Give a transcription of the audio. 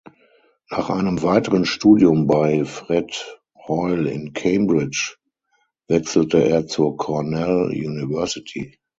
Nach einem weiteren Studium bei Fred Hoyle in Cambridge, wechselte er zur Cornell University.